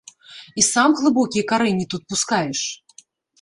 І сам глыбокія карэнні тут пускаеш?